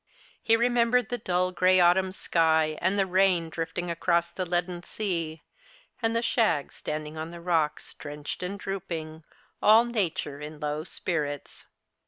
He remembered the dull grey autumn sky, and the rain drifting across the leaden sea, and the shags standing on the rocks, drenched and drooping, all nature in low spirits.